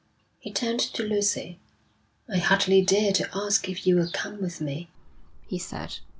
He turned to Lucy. 'I hardly dare to ask if you will come with me,' he said.